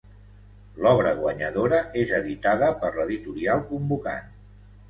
L'obra guanyadora és editada per l'editorial convocant.